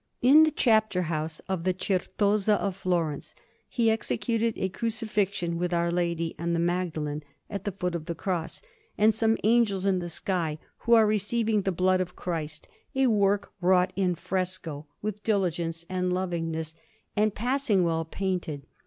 In the Chapter house of the Certosa of Florence he executed a Crucifixion, with Our Lady and the Magdalene at the foot of the Cross, and some angels in the sky, who are receiving the blood of Christ; a work wrought in fresco, with diligence and lovingness, and passing well painted.